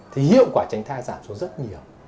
thì hiệu quả tránh thai giảm xuống rất nhiều